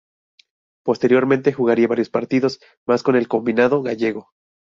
Posteriormente jugaría varios partidos más con el combinado gallego.